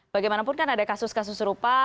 bagaimanapun kan ada kasus kasus serupa